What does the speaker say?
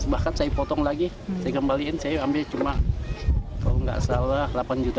bahkan saya potong lagi saya kembalikan saya ambil cuma kalau enggak salah delapan juta lima ratus